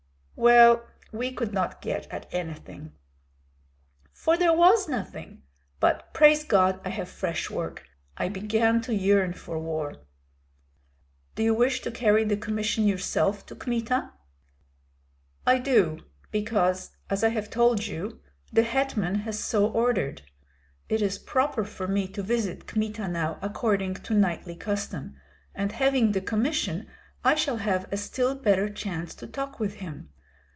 "Well, we could not get at anything." "For there was nothing. But, praise God, I have fresh work; I began to yearn for war." "Do you wish to carry the commission yourself to Kmita?" "I do, because, as I have told you, the hetman has so ordered. It is proper for me to visit Kmita now according to knightly custom, and having the commission I shall have a still better chance to talk with him.